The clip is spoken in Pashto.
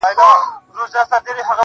سترگه وره انجلۍ بيا راته راگوري~